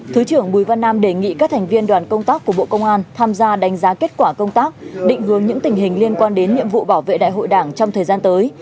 thứ trưởng bùi văn nam đề nghị các thành viên đoàn công tác của bộ công an tham gia đánh giá kết quả công tác định hướng những tình hình liên quan đến nhiệm vụ bảo vệ đại hội đảng trong thời gian tới